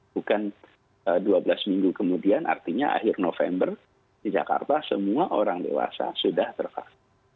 bukan dua belas minggu kemudian artinya akhir november di jakarta semua orang dewasa sudah tervaksin